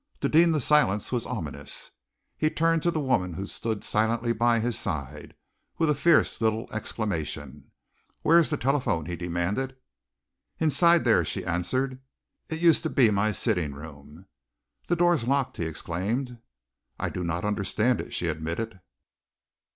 To Deane the silence was ominous. He turned to the woman who stood silently by his side, with a fierce little exclamation. "Where is the telephone?" he demanded. "Inside there," she answered. "It used to be my sitting room." "The door is locked!" he exclaimed. "I do not understand it," she admitted.